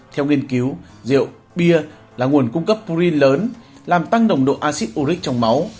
theo nghiên cứu rượu bia là nguồn cung cấp prin lớn làm tăng nồng độ acid uric trong máu